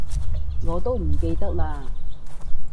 我都唔記得喇